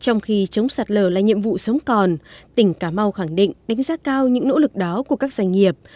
trong khi chống sạt lở là nhiệm vụ sống còn tỉnh cà mau khẳng định đánh giá cao những nỗ lực đó của các doanh nghiệp